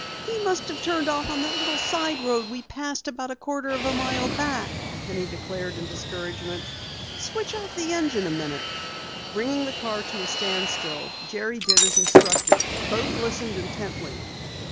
"He must have turned off on that little side road we passed a quarter of a mile back," Penny declared in discouragement. "Switch off the engine a minute." Bringing the car to a standstill, Jerry did as instructed. Both listened intently.